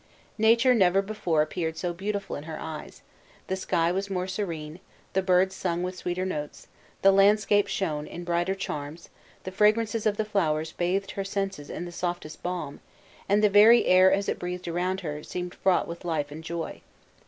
Nature never before appeared so beautiful in her eyes, the sky was more serene, the birds sung with sweeter notes, the landscape shone in brighter charms; the fragrances of the flowers bathed her senses in the softest balm; and the very air as it breathed around her, seemed fraught with life and joy.